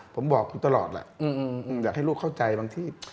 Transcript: ผมบอกคุณตลอดแหละอยากให้ลูกเข้าใจบางที่